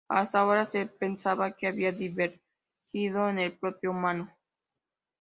Hasta ahora se pensaba que habían divergido en el propio humano.